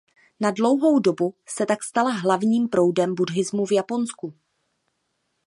Na dlouho dobu se tak stala hlavním proudem buddhismu v Japonsku.